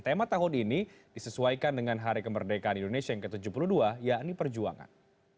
tema tahun ini disesuaikan dengan hari kemerdekaan indonesia yang ke tujuh puluh dua yakni perjuangan